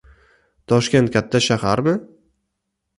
— Toshkent katta shaharmi?